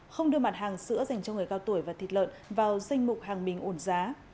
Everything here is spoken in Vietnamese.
không đưa mặt hàng sữa dành cho người cao tuổi và thịt lợn vào danh mục hàng bình ổn giá